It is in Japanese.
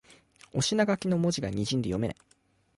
お品書きの文字がにじんで読めない